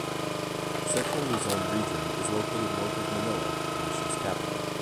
Central Luzon Region is located north of Manila, the nation's capital.